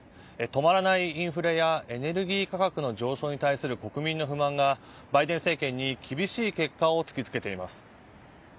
止まらないインフレやエネルギー価格の上昇に対する国民の不満がバイデン政権に厳しい結果を突き付けています。